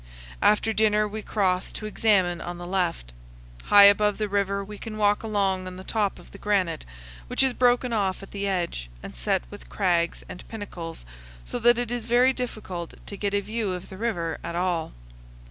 After dinner we cross to examine on the left. High above the river we can walk along on the top of the granite, which is broken off at the edge and set with crags and pinnacles, so that it is very difficult to get a view of the river at all.